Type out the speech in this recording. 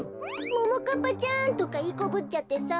ももかっぱちゃんとかいいこぶっちゃってさ。